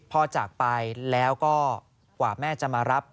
จากไปแล้วก็กว่าแม่จะมารับ